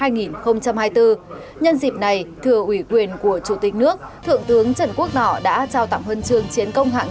nhân dịp này thưa ủy quyền của chủ tịch nước thượng tướng trần quốc nọ đã trao tặng hân chương chiến công hạng hai